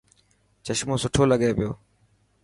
چشمو سٺو لگي پيو